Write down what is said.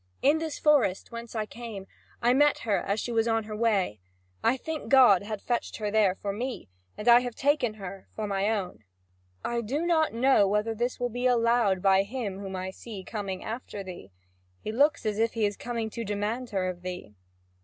In this forest, whence I come, I met her as she was on her way. I think God had fetched her there for me, and I have taken her for my own." "I do not know whether this will be allowed by him whom I see coming after thee; he looks as if he is coming to demand her of thee."